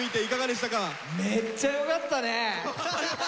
めっちゃよかったね！